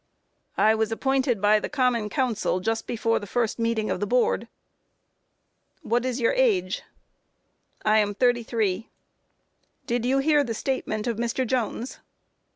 A. I was appointed by the Common Council just before the first meeting of the board. Q. What is your age? A. I am 33. Q. Did you hear the statement of Mr. Jones?